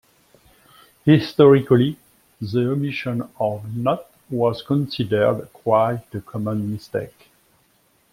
Historically, the omission of "not" was considered quite a common mistake.